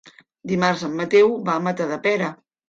Dimarts en Mateu va a Matadepera.